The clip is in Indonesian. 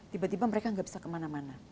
tiba tiba mereka nggak bisa kemana mana